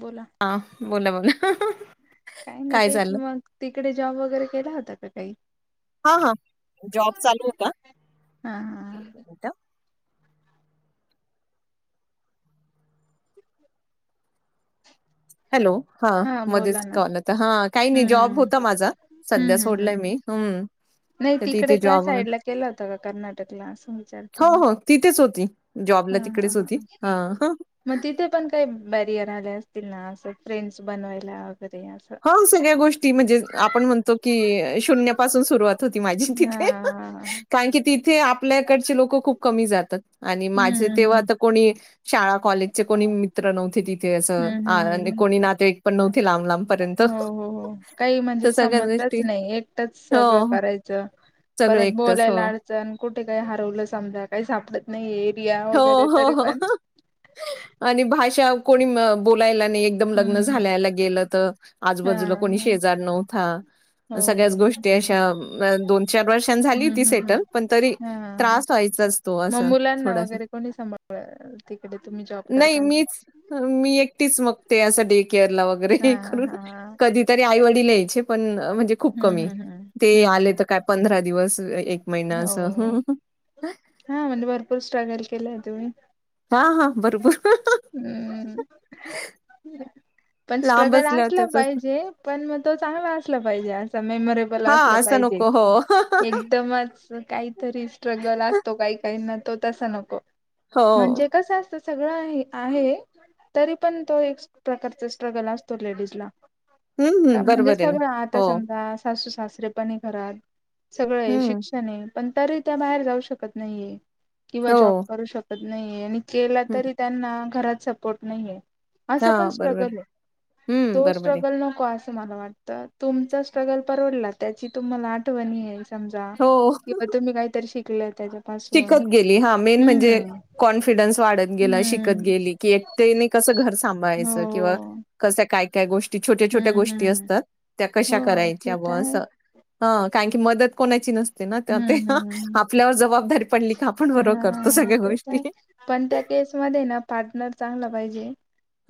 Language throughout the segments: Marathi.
बोला हा बोला बोला काही नाही काय तेच चाललं? मग तिकडे जॉब वगैरे केला होता का काही हा हा जॉब चालू होता हा हा हॅलो हा बोला मध्येच ना कॉल हा काही नाही हम्म जॉब हम्म होता माझा सध्या हम्म हम्म हम्म सोडलंय मी हम्म नाही तर तिकडे तिथे त्या जॉब वगैरे साईड ला केला होता का कर्नाटकला असं विचारत हो हो तिथेच होती जॉबला तिकडेच होती हा मग तिथे पण काही बॅरियर आले असतील ना असं फ्रेंड्स बनवायला वगैरे असं हो सगळ्या गोष्टी म्हणजे आपण तो की शून्या पासून सुरुवात होती माझी तिथे हा कारण की तिथे आपल्याकडचे लोक खूप कमी जातात आणि हम्म माझे तेव्हा हम्म आता कोणी शाळा कॉलेजचे कोणी मित्र नव्हते तिथे हम्म हम्म असं हम्म कोणी हम्म नातेवाईक पण नव्हते लांब लांब हो हो हो काही म्हणजे सगळ्याच गोष्टी संबंधच नाही एकटच सगळं हो करायचं सगळे एकटच हो पण कुठे काही हरवलं समजा काही सापडत नाही एरिया हो, वगैरे हो, तरी हो पण आणि भाषा कोणी बोलायला नाही एकदम लग्न हम्म. झाल्याला गेलं तर आजूबाजूला कोणी हा शेजार हो नव्हता सगळ्याच गोष्टी अशा दोन चार वर्षां झाली हम्म ती हम्म हम्म सेटल पण तरी हा. त्रास व्हायचा असतो मग असं मुलांना थोडासा वगैरे कोणी सांभाळ तिकडे तुम्ही जॉब नाही करताना मीच मी एकटीच मगते असं डे केअर ला वगैरे हा हे हा करून हा हा. कधी तरी आईवडील यायचे पण म्हणजे खूप हम्म कमी हम्म हम्म ते हम्म आले तर हम्म काय पंधरा दिवस महिना असं. हं, हो हं. हा म्हणजे भरपूर स्ट्रगल केलंय तुम्ही हा हा बरोबर हम्म पण लांब स्ट्रगल असल्यावर असला त्याच असतं. पाहिजे पण मग तो चांगला असला पाहिजे असं मेमोरेबल हा असला असं पाहिजे नको हो एकदमच- काहीतरी स्ट्रगल असतो काही काही नसतो तसा नको हो म्हणजे कसं असतं सगळं आहे आहे तरी पण तो एक प्रकारचा स्ट्रगल असतो लेडीज ला हम्म का हम्म म्हणजे बरोबर आहे ना सगळं आता हो समजा सासू सासरेपणे घरात सगळं हम्म शिका पण तरी त्या बाहेर जाऊ शकत नाहीे किंवा जॉब हो करू शकत नाहीे आणि केला हं, तरी त्यांना घरात सपोर्ट नाहीे असं पण हा बरोबर स्ट्रगल आहे हम्म तो बरोबर आहे स्ट्रगल नको असं म वाटत तुमचा स्ट्रगल परवडला त्याची तुम्हाला आठवणी आहे समजा हो किंवा तुम्ही काहीतरी शिकल त्याच्या शिकत गेली हा मेन म्हणजे कॉन्फिडन्स वाढत गेला शिकत हम्म गेली की एक तेने कसं घर हो सांभाळायचं किंवा कसं काय काय गोष्टी छोट्या छोट्या हम्म गोष्टी हम्म असतात त्या कशा हो ते करायच्या ब तर आहे असं हा कारण की मदत कोणाची नसते ना ते हम्म हम्म आपल्यावर जबाबदारी पडली का आपण बरोबर करतो हा सगळ्या तेच गोष्टी आहे पण त्या केसमध्ये ना पार्टनर चांगला पाहिजे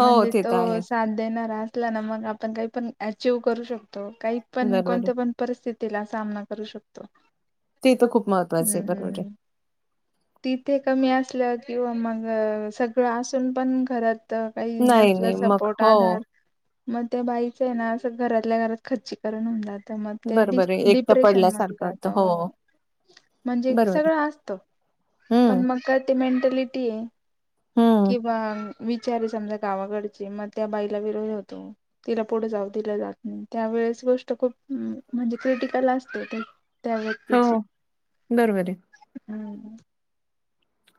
हो म्हणजे ते तो तर आहे साथ देणारा असला ना मग आपण काही पण अचिव करू शकतो काही पण बरोबर कोणत्या पण परिस्थितीला सामना करू शकतो. ते तर खूप महत्वाचं आहे बरोबर आहे हम्म तिथे कमी असलं किंवा मग सगळं असून पण घरात तर काही नाही नसलं नाही मग सपोर्ट हो आधार मग त्या बाईचं आहे ना असं घरातल्या घरात खच्ची करून होतात तर मग ते डि बरोबर आहे एकटं डिप्रेशन मध्ये पडल्यासारखं जात वाटतं हो म्हणजे बरोबर आहे. सगळं असतं हम्म पण मग ते मेंटॅलिटी आहे हम्म किंवा विचारस समाझा गावाकडची मग त्या बाईला विरोध होतो तिला पुढं जाऊ दिलं जात नाही त्यावेळेस गोष्ट खूप म्हणजे क्रिटिकल असते ते हो त्यावरतीची बरोबर आहे. हम्म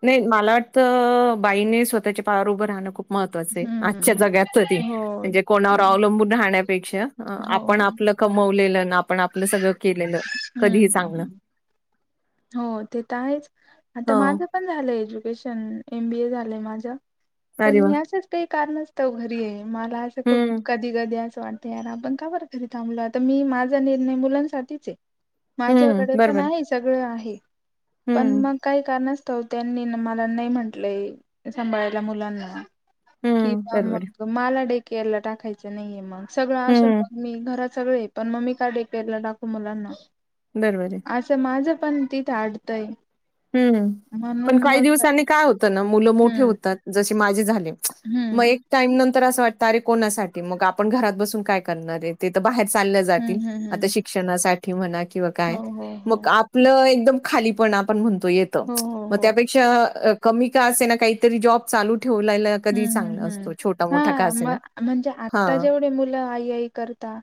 नाही मला वाटतं बाईने स्वतःच्या पायावर राहणं खूप महत्त्वाचे हम्म आजच्या हम्म जग्याच ते हम्म. म्हणजे कोणावर हो अवलंबून राहण्यापेक्षा, आपण हो आपलं कमवलेलंन, आपण आपलं सगळं केलेलं, कधीही चांगलं. हम्म हो ते त आहेच, आता हो माझं पण झालंय एज्युकेशन, एमबी ए झालंय माझं. पण अरे वा मी असंच काही कारणासतव घरीये, मला असं खूप हम्म कधी कधी असं वाट यार आपण का बरं घरी थांबलो, आता मी माझा निर्णय मुलांसाठीचे. हम्म माझ्याकडे पण बरोबर आहे, सगळं आहे, पण हम्म मग काही कारणास तव त्यांनी मला नाही म्हंटलंय, सांभाळायला मुलांना, कि हम्म बरोबर आहे मग मला डे केअर ला टाकायचं नाहीये म, सगळं असून हम्म म मी घरात सगळेय, पण म मी का डेकेअरला टाकू मुलांना. बरबरे. माज पण तीथ आडतय. हम्म हम्म, पण काही दिवसांनी काय होत, मुलं मोठे हम्म होतात, जसे माझे झाले, म हम्म एक टाईम नंतर असं वाटतं अरे कोणासाठी, मग आपण घरात बसून काय करणारे. ते तर बाहेर चालल्या जातील, हम्म हम्म आता हम्म शिक्षणासाठी म्हणा किंवा काय, हो हो हो मग आप आपलं एकदम खालीपण आपण म्हणतो येत, हो हो मग हो त्यापे क्षा कमी का असे ना, काहीतरी जॉब चालू ठेवलेला कधी हम्म चांगला हम्म असतो, छोटा हम्म मोठा का हा असे म ना, म्हणजे आता हा. जेवढे मुलं आई आई करता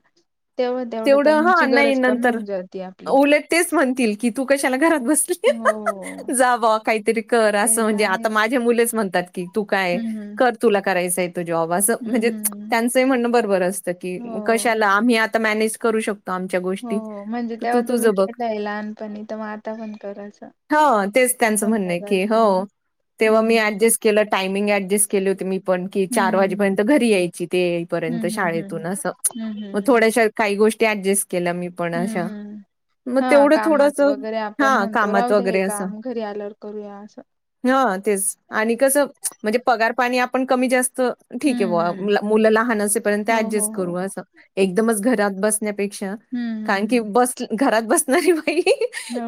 तेवढं ह, त्यांची नई गरज कमी नंतर होऊन जाते आपली उलट तेच म्हणतील, की तू कशाला घरात बसली. हो. जा बा काहीतरी कर, ते असं तर म्हणजे, आहे आता माझे मुलेच म्हणतात की तू काय? हम्म हम्म कर तुला करायचाये तो जॉब असं, म्हणजे हम्म हम्म त्यांचंही म्हणणं बरोबर असतं, की हो कशाला आम्ही मॅनेज करू शक हो, हो, म्हणजे तेव्हा तुम्ही केलाय लहानपणी, त म आता पण कर अस. हो तेच त्यांचं म्हणणंय की, हो. तेव्हा मी हम्म ऍडजस्ट केलं, टायमिंग ऍडजस्ट केले होते मी पण, की चार हम्म वाजेपर्यंत घरी यायची, ते पर्यंत, हम्म हम्म हम्म शाळेतून अस, हम्म हम्म हम्म मग हम्म थोड्याश काही गोष्टी ऍडजस्ट केल्या, मी पण अशा. हम्म हम्म मग तेवढं थोडंस, हा. तो राहू द्या हे काम, घरी आल्यावर करूया असं. हो तेच, आणि कसं, म्हणजे पगार पाणी आपण कमी जास्त ठीके हम्म बा हम्म मुलं लहान असेपर्यंत, हो हो ऍडजस्ट हो करू असं, एकदमच घरात बस ण्यापेक्षा, हम्म कारण हम्म की हम्म बस घरात बसणारी बाई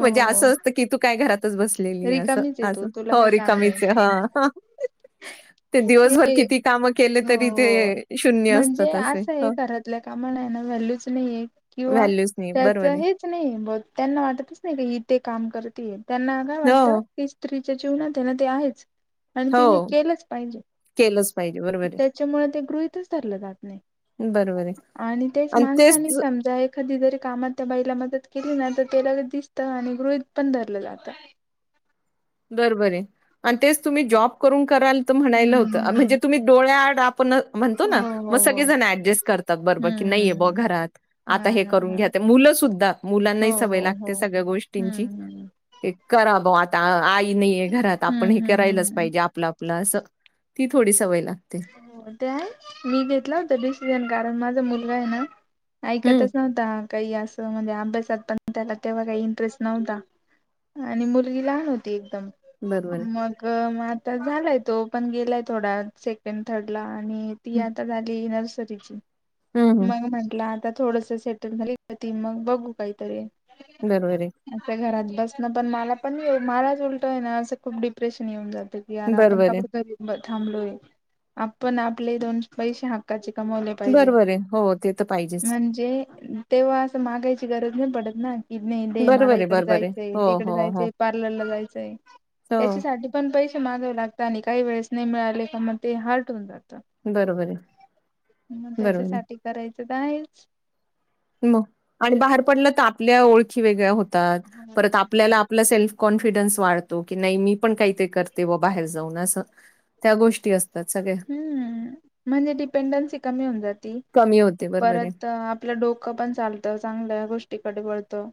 म्हणजे असं असतं की तू काय घरातच बसलेलीये असं, रिकामीच आहे अस तू तुला हो काही काम नाही. रिकामीचे ह. ते दिवसभर हे किती काम केले हो तरी, हो ते शून्य असतात असे, ह. आपल्या कामाना व्हॅल्यूच नाहीये, किंवा व्हॅल्यूच नाही त्याच बरोबर आहे. हे नाही बा, त्यांना वाटतच नाही इथे काम करतीये, त्यांना काय हो, वाटत स्त्रीच्या जीवनातेना ते आहेच, आणि हो तिने केलंच पाहिजे. केलंच पाहिजे बरोबर आहे, त्याच्यामुळे ते गृहितच धरलं जात नाही, बरोबर आहे. आणि तेच माणसाने समजाय कधीतरी कामात त्या बाईला मदत केली ना, त ते लगेच दिसतं आणि गृहित पण धरलं जातं. बरोबरे, आणि तेच तुम्ही जॉब करून कराल, म्हणायला हम्म होतं, म्हणजे हम्म. तुम्ही डोळ्या आड आपण म्हणतो ना. हो मग हो सगळे हो जण ऍडजस्ट करतात, बरबर की नाहीय बा हम्म हम्म घरात. हा आता हे हा करून हा घ्या, मुलं सुद्धा, मुलांनाही हो सवय हो हो. लागते, सगळ्या गोष्टींची. हम्म हम्म हे करा बा आता, आई नाहीय घरात, आपण हम्म हे हम्म करायलच हम्म. पाहिजे आपलं आपलं असं, ती थोडी सवय लागते. ते आहे मी घेतलं होत डिसिजन, कारण माझा मुलगाय ना हं ऐकतच नव्हता. काही असं, म्हणजे अभ्यासात पण त्याला तेव्हा काही इंटरेस्ट नव्हता. आणि मुलगी लहान होती एकदम. बरोबर आहे. मग म आता झालाय, तो पण गेलाय थोडा से थर्ड ला आणि ती हं, आता झाली नर्सरीची. हं. म हं. म्हटलं आता थोडस सेटल झालीती मग बघू काहीतरी बरोबर ये. असं घरात बसणं पण मला पण ये मलाच उलटं आहे ना असं खूप डिप्रेशन येऊन जाते. यार आपण बरोबर आहे. कपड घरी थांबलोय आपण आपले दोन पैसे हक्काचे कमवले पाहिजे. बरोबर आहे. हो ते तर पाहिजेच. म्हणजे तेव्हा असं मागायची गरज नाही पडत ना. की नाही दे मला बरोबर आहे, इकडे बरोबर आहे. जायचंय हो, तिकडे हो, हो. जायचंय प [unintelligible] हो. त्याच्यासाठी पण पैसे मागाव लागत आणि काही वेळेस नाही मिळाले का म ते हर्ट हून जात. बरोबर आहे. मग बरोबर आहे. त्याच्यासाठी करायचं तर आहेच. मग आणि बाहेर पडलं तर आपल्या ओळखी वेगळ्या होतात परत आपल्याला तुला सेल्फ कॉन्फिडन्स वाढतो की नाही मी पण काही ते करते व बाहेर जाऊन असं त्या गोष्टी असतात सगळे ह् म्हणजे डिपेंडन्सी कमी होऊन जाती कमी होते बरोबर आहे. परत आपलं डोकं पण चालतं चांगल्या गोष्टीकडे वळतं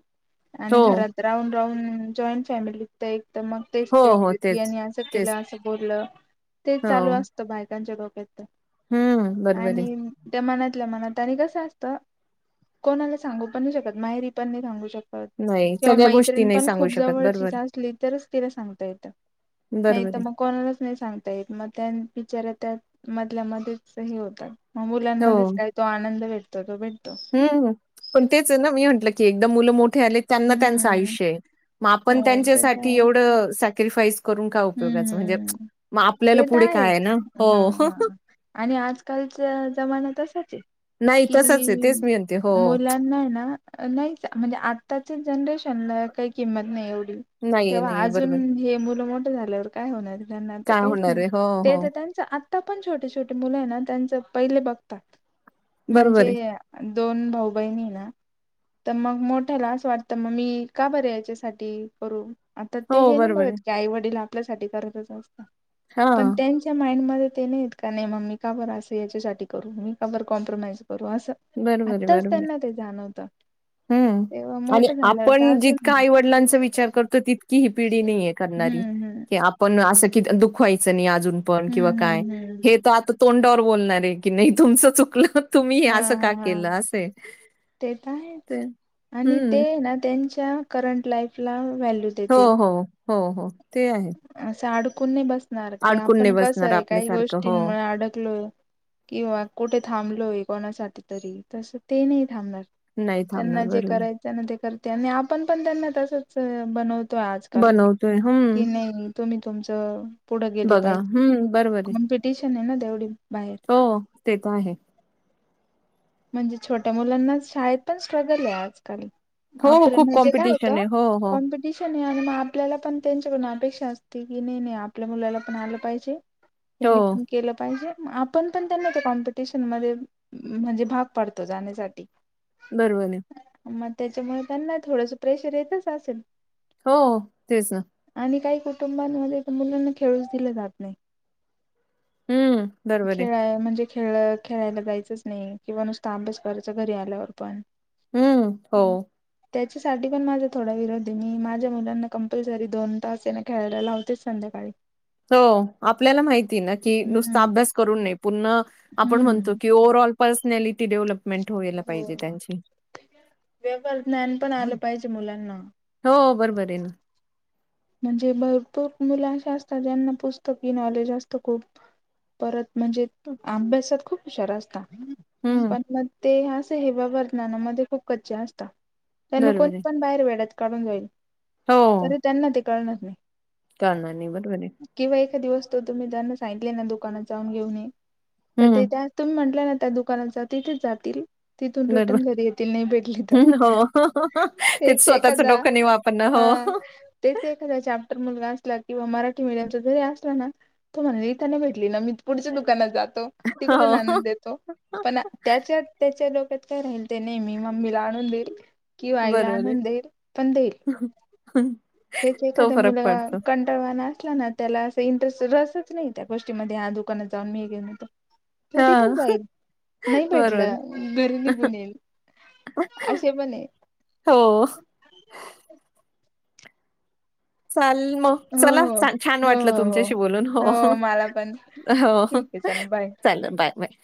आणि हो, घरात राऊंड राऊंड जॉईंट फॅमिली वघत एकदम मग तेच हो, तेच हो तेच यांनी असं केलं तेच असं बोललं ते हो चालू असतं बायकांच्या डोक्यात हम्म तर बरोबर आहे. आणि त्या मनातल्या मनात आणि कसं असतं कोणाला सांगू पण नाही शकत माहेरी पण नाही सांगू शकत नाही किंवा सगळ्या गोष्टी मैत्रिणी नाही पण सांगू खूप शकत बरोबर, जवळचीच असली तरच तिला सांगता येतं. नाही तर बरोबर आहे मग कोणालाच नाही सांगत मग त्या बिचार्या त्या मधल्यामध्येच होतात मग हो मुलांमध्येच काही तो आनंद भेटतो तो भेटतो ह पण तेच आहे ना मी म्हटलं की एकदम मुलं मोठे आले त्यांना त्यांचं हम्म आयुष्य आहे मग आपण हो ते तर त्यांच्यासाठी आहे. एवढं सॅक्रिफाईस करून का हम्म उपयोगाच म्हणजे हम्म मग आपल्याला ते तर पुढे काय आहेच ना हो हा हा आणि आजकालचा जमाना तसाच आहे नाही तसच आहे कि तेच मी म्हणते हो मुलांना ना नाही म्हणजे आताच्या जनरेशनला काही किंमत नाही एवढी नाहीये तेव्हा नाहीये अजून बरोबर हे मुलं मोठं झाल्यावर काय होणार त्यांना तर काय काही होणार आहे हो हो त्यांचं आता पण छोटे छोटे मुलं आहे ना त्यांच पहिले बघतात बरोबर म्हणजे आहे दोन भाऊ बहिणी ना तर मग मोठ्याला असं वाटतं मग मी का बरे याच्यासाठी करू आता ते हो हे नाही बरोबर आहे बघत की आई वडील आपल्यासाठी करतच असत हा पण त्यां माइंड मध्ये ते नाहीत का नाही मग मी कार असं याच्यासाठी करू मी कार कॉम्प्रोमाइज करू असं बरोबर आहे आत्ताच बरोबर त्यांना आहे ते जाणवतं तेव्हा हम्म आणि मोठं झाल्यावर तर आपण अजून जितका आईवडिलांचा विचार करतो तितकी ही पिढी हम्म हम्म नाहीयेत आपण अस दुखवायचं नाही अजून पण किंवा हम्म काय हम्म हम्म हे आ तोंडावर बोलणार आहे की नाही तुमचं चुकलं तुम्ही हे असं हां का हां केलं असं आहे ते तर आहेच ते आणि ते हम्म ना त्यांच्या करंट लाईफ ला व्हॅल्यू हो देतील हो हो हो ते आहेत असं अडकून नाही बसणार की नाही आपण कसं बसणार आहे काही आपल्यासारखं हो गोष्टींमुळे अडकलो किंवा कुठे थांबलोय कोणासाठी तरी तसं ते नाही थांबणार नाही थांबणार त्यांना जे बरोबर आहे. करायचंना ते करते आणि आपण पण त्यांना तसच बनवत तो आजकाल य हम कि नाही तुम्ही तुमच पुढं गेले बघा हम्म बरोबर आहे. पाहिजेॉमप ट्यूशन आहे ना तेवढी बाहेर हो ते तर आहे म्हणजे छोट्या मुलांना शाळेत पण स्ट्रगल आहे आजकाल हो आपलं खूप म्हणजे काय होतं कॉम्पिटिशन आहे. हो, हो, कॉम्प्युटर तश नाही आणि मग आपल्याला पण त्यांच्याकडून अपेक्षा असते की नाही नाही आपल्या मुलाला पण आलं पाहिजे. त्यां हो पण केलं पाहिजे आपण पण त्यांना त्या कॉमपिटिशन म म्हणजे भाग पडतो जाण्यासाठी बरोबर. मग त्याच्यामुळे त्यांना थोडंस प्रेशर येतच असेल. हो तेच ना आणि काही कुटुंबांमध्ये मुलांना खेळूच दिले जात नाही. हम्म बरोबर आहे. खेळाय म्हणजे खेळ खेळायला जायचंच नाही. किंवा नुसता अभ्यास करायचा घरी आल्यावर पण हम्म हो. त्याच्यासाठी पण माझा थोडा विरोध आहे मी माझ्या मुलांना कंपल्सरी दोन तास हायना खेळायला लावतेच संध्याकाळी. हो आपल्याला माहिती ना की नुसता हम्म अभ्यास करून नाही पूर्ण आपण हम्म म्हणतो की ओवर्ह ऑल पर्सनलिटी डेव्हप होयला हो पाहिजे त्यांची. व्यवहार ज्ञान पण आलं पाहिजे मुलांना. हो बरोबर आहेन. म्हणजे भरपूर मुलं अशे असतात ज्यांना पुस्तकी नॉलेज असतं खूप परत म्हणजे अभ्यासात खूप हुशार असत हम्म पण मग ते अस. हेवा वरनानामध्ये खूप कच्चे असतात त्यांना बरोबर कोणी आहे. पण बाहेर वेड्यात काढून जाईल. तर त्यांना ते कळणार नाही. चालणार नाही बरोबर आहे. किंवा एकाा दिवस तर तुम्ही जरना सांगितले ना दुकानात जाऊन घेऊन ये तर हम्म ते त्या तुम्ही म्हंटलं ना त्या दुकानाच तिथेच जातील तिथून बरोबर रिटर्न घरी येतील नाही भेटला हं, हो तर तेच एखादा पण हा हो तेच एखादा चॅप्टर मुलगा असला किंवा मराठी मीडियमचा जरी असला ना तू म्हणाली त्यांना भेटली ना मी पुढच्या दुकानात जातो तिकडून हो आनंद देतो. पण त्याच्या त्याच्या लोकत काय राहील ते नेहमी मम्मीला आणून देईल किंवा आईला बरोबर आहे. आणून देईल त्याच तो एखाद्या फरक मुल क पडतो. कंंटाळवाना असला ना त्याला असं इंटरेस्ट रसच नाही त्या गोष्टी म ह्या दुकानात जाऊन मी घेऊन होतो. हो तिथे हां, जाईल नाही बरोबर आहे. भेटलं घरी निघून येईल. असे पण आहेत. हो. चाल मग हो चला हो छान वाटलं हो हो तुमच्याशी बोलून हो हो ठीक आहे चल बाय चाल बाय, बाय.